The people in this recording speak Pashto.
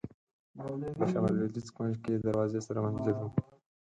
د شمال لوېدیځ کونج کې دروازې سره مسجد و.